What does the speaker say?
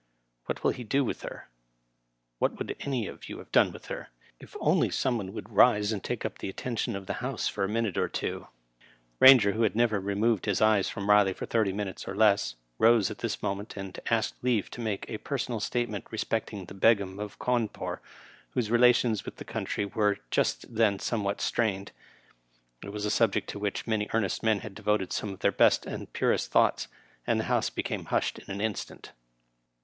What will he do with her t What would any of you have done with her? If only some one would rise and take up the attention of the House for a minute or two. Eainger, who had never removed his eyes from Riley for thirty minutes or less, rose at this moment and asked leave to make a personal statement respecting the Begum "of Cawnpore, whose relations with the country were just then somewhat strained. It was a subject to which many earnest men had devoted some of their best and purest thoughts, and the House became hushed in an instant.